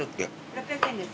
６００円です。